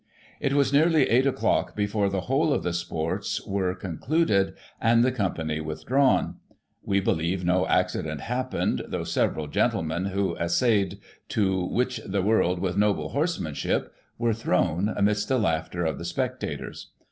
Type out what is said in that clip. It was neaxly eight o'clock before the whole of the sports were concluded aiid the com pany withdrawn. We believe no accident happened, though several gentlemen who essayed to ' witch the world with noble horsemanship ' were thrown, amidst the laughter of the spec tators.